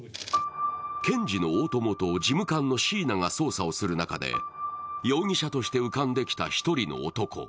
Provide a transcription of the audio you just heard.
検事の大友と事務官の椎名が捜査をする中で容疑者として浮かんできた１人の男